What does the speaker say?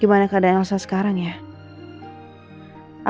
gimana keadaan elsa sekarang ya nelle tempat ini ya